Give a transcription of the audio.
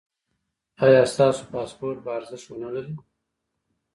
ایا ستاسو پاسپورت به ارزښت و نه لري؟